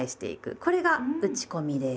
これが打ち込みです。